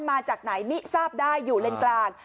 มาจากไหนมิทราบได้อยู่เลนกลาง